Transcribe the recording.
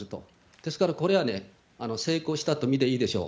ですから、これは成功したと見ていいでしょう。